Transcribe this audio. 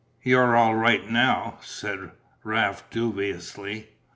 "You're all right now?" said Raft dubiously.